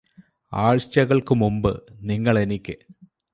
ആഴ്ചകള്ക്കു മുമ്പ് നിങ്ങളെനിക്ക്